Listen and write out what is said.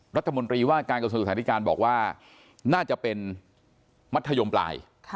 รัฐมนตรีว่าการกระทรวงศึกษาธิการบอกว่าน่าจะเป็นมัธยมปลาย